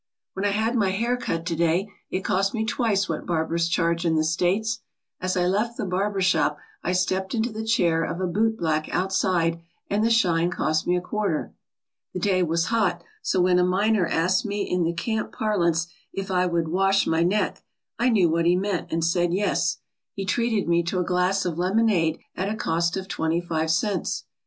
When I had my hair cut to day it cost me twice what barbers charge in the States. As I left the barber shop I stepped into the chair of a bootblack outside and the shine cost me a quarter. The day was hot, so when a miner asked me in the camp parlance if I would "wash my neck," I knew what he meant and said yes. He treated me to a glass of lemonade at a cost of twenty five cents.